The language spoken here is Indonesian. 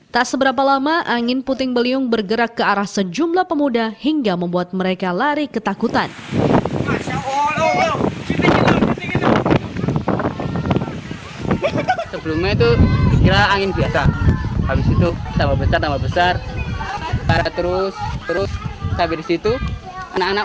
tak seberapa lama angin puting beliung bergerak ke arah sejumlah pemuda hingga membuat mereka lari ketakutan